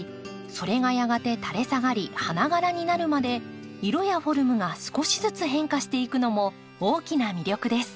それがやがてたれ下がり花がらになるまで色やフォルムが少しずつ変化していくのも大きな魅力です。